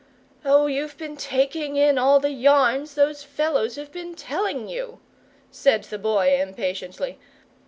"Oh, you've been taking in all the yarns those fellows have been telling you," said the Boy impatiently.